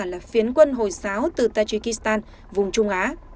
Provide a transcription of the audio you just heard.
là phiến quân hồi giáo từ tajikistan vùng trung á